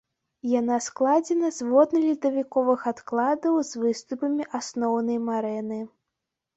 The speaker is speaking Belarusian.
Яна складзена з водна-ледавіковых адкладаў з выступамі асноўнай марэны.